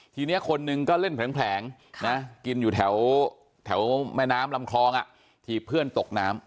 ทีนี้คนหนึ่งก็เล่นแผลงกินอยู่แถวแม่น้ำลำคลองถีบเพื่อนตกน้ำ